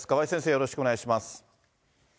よろしくお願いします。